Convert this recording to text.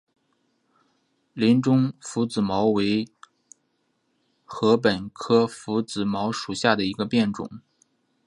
林中拂子茅为禾本科拂子茅属下的一个变种。